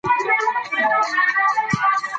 خج د فشار په مانا دی؟